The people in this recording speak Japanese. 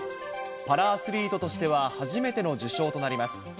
パラアスリートとしては初めての受賞となります。